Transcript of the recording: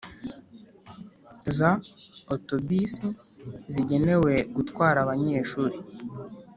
Za otobisi zigenewe gutwara abanyeshuri